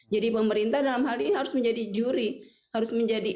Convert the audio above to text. jadi pemerintah dalam hal ini harus menjadi juri